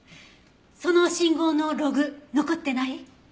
その信号のログ残ってない？